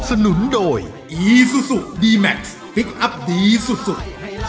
นุนโดยอีซูซูดีแม็กซ์พลิกอัพดีสุด